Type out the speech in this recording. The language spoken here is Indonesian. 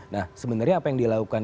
nah sebenarnya apa yang dilakukan